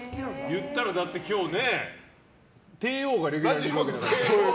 言ったら、今日ね、帝王がレギュラーにいるわけだから。